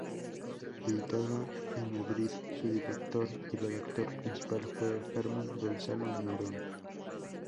Editada en Madrid, su director y redactor principal, fue Fermín Gonzalo Morón.